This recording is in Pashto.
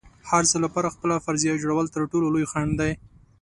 د هر څه لپاره خپله فرضیه جوړول تر ټولو لوی خنډ دی.